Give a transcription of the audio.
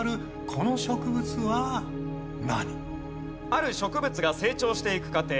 ある植物が成長していく過程